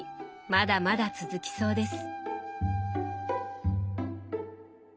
まだまだ続きそうです。